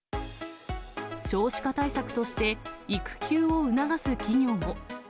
少子化対策として、育休を促す企業も。